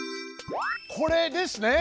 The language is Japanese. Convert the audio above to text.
これですね。